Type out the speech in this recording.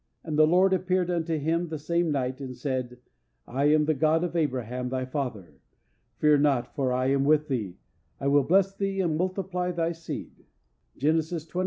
And the Lord appeared unto him the same night, and said, I am the God of Abraham, thy father: fear not, for I am with thee, and will bless thee, and multiply thy seed" (Genesis xxvi.